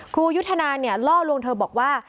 ครูยุทธนาเนี่ยล่อลวงเธอบอกว่า